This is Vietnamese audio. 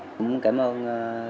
cũng cảm ơn